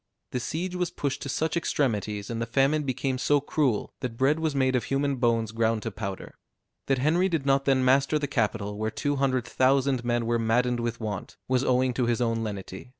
The siege was pushed to such extremities, and the famine became so cruel, that bread was made of human bones ground to powder. That Henry did not then master the capital, where two hundred thousand men were maddened with want, was owing to his own lenity.